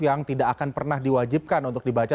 yang tidak akan pernah diwajibkan untuk dibaca